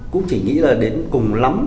cũng chỉ nghĩ là đến cùng lắm